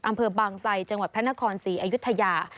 อำเภอบางไซจังหวัดพระนครศรีอยุธยา